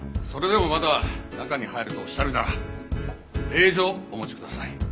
それでもまだ中に入るとおっしゃるなら令状をお持ちください。